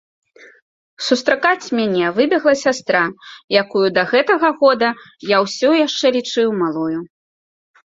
Сустракаць мяне выбегла сястра, якую да гэтага года я ўсё яшчэ лічыў малою.